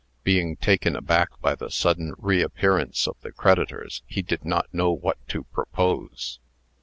Being taken aback by the sudden reappearance of the creditors, he did not know what to propose.